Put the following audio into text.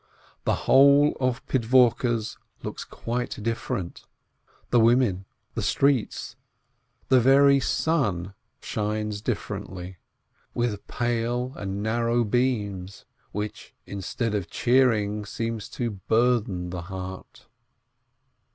The whole of Pidvorkes looks quite different, the women, the streets, the very sun shines differently, with WOMEN 461 pale and narrow beams, which, instead of cheering, seem to burden the heart.